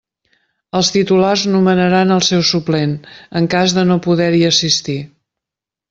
Els titulars nomenaran el seu suplent, en cas de no poder-hi assistir.